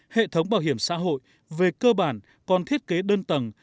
hệ thống bảo hiểm xã hội về cơ bản còn thiết kế đơn tầng